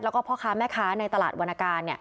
แล้วก็พ่อค้าแม่ค้าในตลาดวรรณการ